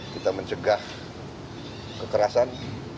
kita mencegah kekerasan